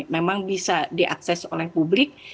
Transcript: memang bisa diakses oleh publik